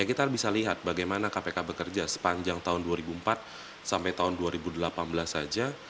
kita bisa lihat bagaimana kpk bekerja sepanjang tahun dua ribu empat sampai tahun dua ribu delapan belas saja